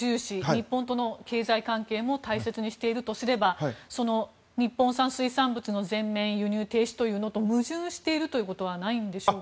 日本との経済関係も大切にしているとすれば日本産水産物の全面輸入停止と矛盾しているということはないんでしょうか？